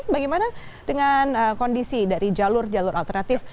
bagaimana dengan kondisi dari jalur jalur alternatif